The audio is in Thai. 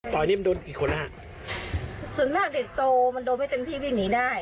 ตอนนี้มันโดนกี่คนแล้วฮะส่วนมากเด็กโตมันโดนไม่เต็มที่วิ่งหนีได้